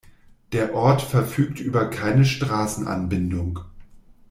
Der Ort verfügt über keine Straßenanbindung.